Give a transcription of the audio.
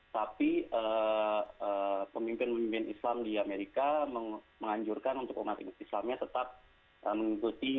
tapi pemimpin pemimpin islam di amerika menganjurkan untuk umat islamnya tetap mengikuti